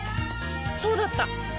そうだった！